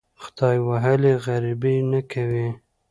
خدای وهلي غریبي نه کوي.